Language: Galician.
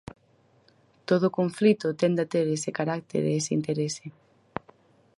Todo conflito tende a ter ese carácter e ese interese.